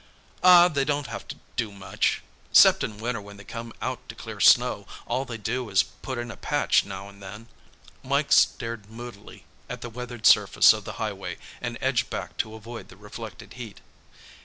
"Aw, they don't hafta do much. 'Cept in winter when they come out to clear snow, all they do is put in a patch now an' then." Mike stared moodily at the weathered surface of the highway and edged back to avoid the reflected heat.